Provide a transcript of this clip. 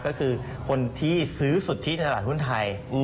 ก็คือคนที่ซื้อสุทธิในตลาดหุ้นไทย